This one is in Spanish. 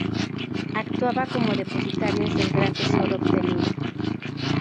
Actuaba como depositarios del gran tesoro obtenido.